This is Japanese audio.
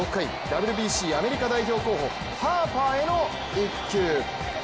６回、ＷＢＣアメリカ代表候補ハーパーへの一球。